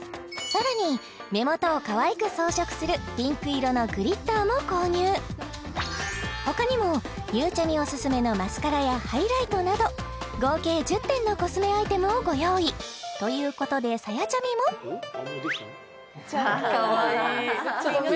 さらに目元を可愛く装飾するピンク色のグリッターも購入ほかにもゆうちゃみおすすめのマスカラやハイライトなど合計１０点のコスメアイテムをご用意ということでさやちゃみもじゃん